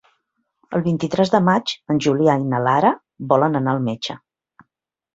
El vint-i-tres de maig en Julià i na Lara volen anar al metge.